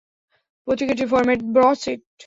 পত্রিকাটির format broadsheet.